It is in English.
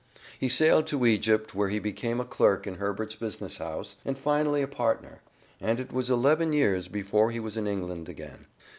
He sailed to Egypt, where he became a clerk in Herbert's business house, and finally a partner, and it was eleven years before he was in England again.